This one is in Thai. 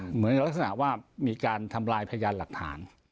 เหมือนลักษณะว่ามีการทำลายพยานหลักฐาน